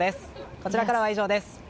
こちらからは以上です。